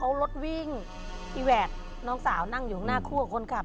เอารถวิ่งน้องสาวนั่งอยู่ข้างหน้าคู่กับคนขับ